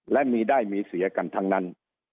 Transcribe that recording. และมีได้มีเสียกันทั้งนั้น